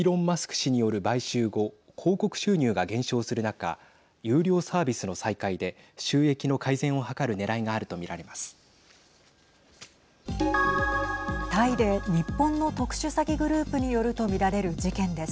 氏による買収後広告収入が減少する中有料サービスの再開で収益の改善を図るねらいがあると見られます。